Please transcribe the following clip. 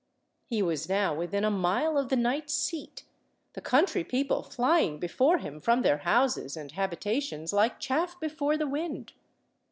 He was now within a mile of the knight's seat, the country people flying before him from their houses and habitations, like chaff before the wind.